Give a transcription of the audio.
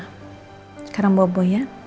sekarang bobo ya